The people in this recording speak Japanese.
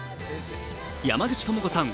山口智子さん